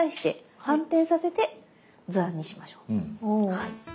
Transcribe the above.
はい。